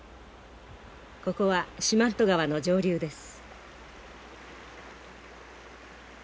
ここは四万十川の上流です。